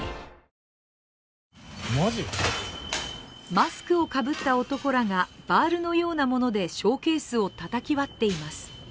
マスクをかぶった男らがバールのようなものでショーケースをたたき割っています。